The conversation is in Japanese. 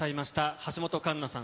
橋本環奈さん